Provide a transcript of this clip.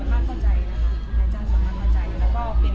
แล้วอย่างหลังจากนี้ไปจะมีออกงานอีกไหม